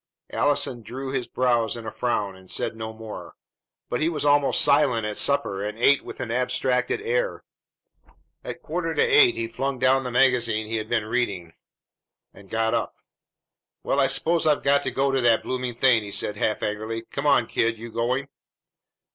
Allison drew his brows in a frown, and said no more; but he was almost silent at supper, and ate with an abstracted air. At quarter to eight he flung down the magazine he had been reading, and got up. "Well, I s'pose I've got to go to that bloomin' thing," he said half angrily. "Come on, kid; you going?"